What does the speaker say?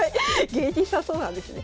芸人さんそうなんですね。